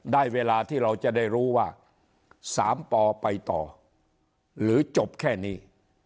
ได้เวลาที่เราจะได้รู้ว่า๓ปอไปต่อหรือจบแค่นี้